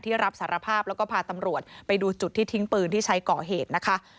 รับสารภาพแล้วก็พาตำรวจไปดูจุดที่ทิ้งปืนที่ใช้ก่อเหตุนะคะ